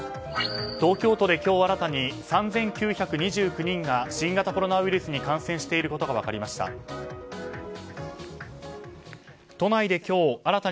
東京都で今日新たに３９２９人が新型コロナウイルスに感染していることが分かりました。